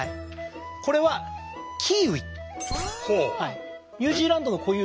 これはキーウィ。